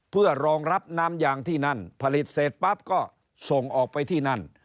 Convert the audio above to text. เพื่อรองรับน้ำยางที่นั่นผลิตเสร็จปั๊บก็ส่งออกไปที่นั่น